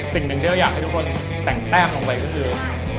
สิ่งหนึ่งที่เราอยากให้ทุกคนแต่งแต้มลงไปก็คือ